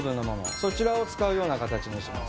そちらを使うような形にします。